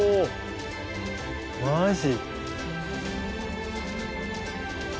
マジ？